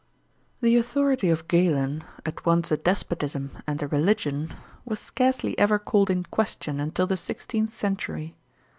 _ The authority of Galen, at once a despotism and a religion, was scarcely ever called in question until the sixteenth century.